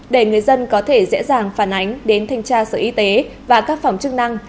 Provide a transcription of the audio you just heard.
để người dân có thể dễ dàng phản ánh đến thanh tra sở y tế và các phòng chức năng